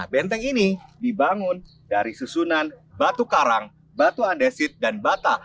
benteng ini dibangun dari susunan batu karang batu andesit dan bata